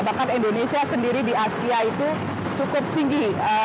bahkan indonesia sendiri di asia itu cukup tinggi